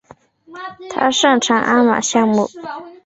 他擅长鞍马项目。